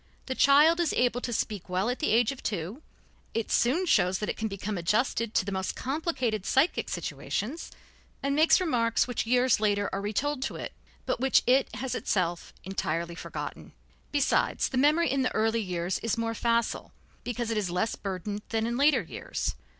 The child is able to speak well at the age of two, it soon shows that it can become adjusted to the most complicated psychic situations, and makes remarks which years later are retold to it, but which it has itself entirely forgotten. Besides, the memory in the early years is more facile, because it is less burdened than in later years.